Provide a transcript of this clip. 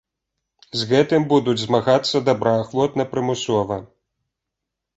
З гэтым будуць змагацца добраахвотна-прымусова.